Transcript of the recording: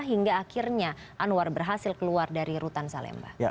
hingga akhirnya anwar berhasil keluar dari rutan salemba